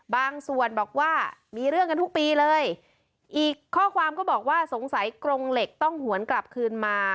บางส่วนบอกว่ามีเรื่องกันทุกปีเลยอีกข้อความก็บอกว่าสงสัยกรงเหล็กต้องหวนกลับคืนมา